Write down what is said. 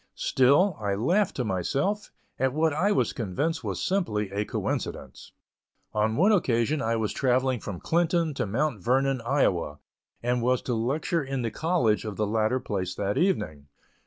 Still, I laughed to myself, at what I was convinced was simply a coincidence. On one occasion I was travelling from Clinton to Mount Vernon, Iowa, and was to lecture in the college of the latter place that evening.